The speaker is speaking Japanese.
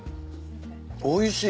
おいしい。